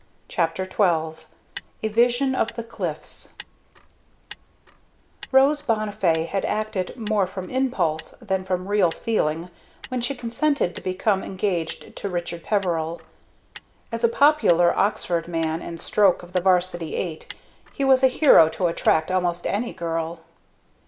CHAPTER XII A VISION OF THE CLIFFS Rose Bonnifay had acted more from impulse than from real feeling when she consented to become engaged to Richard Peveril. As a popular Oxford man and stroke of the 'varsity eight he was a hero to attract almost any girl.